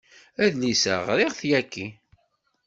Adlis-a ɣriɣ-t yagi.